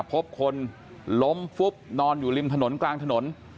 พบคนล้มฟุบนอนอยู่ริมถนนกลางถนน